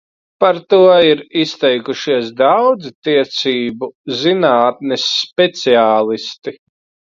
Par to ir izteikušies daudzi tiesību zinātnes speciālisti.